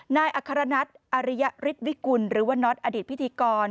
นายอัครนัทอริยฤทธิวิกุลหรือว่าน็อตอดีตพิธีกร